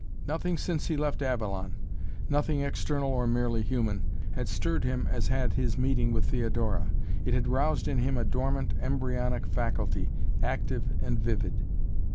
Nothing since he left Avalon, nothing external or merely human, had stirred him as had his meeting with Theodora. It had roused in him a dormant, embryonic faculty, active and vivid.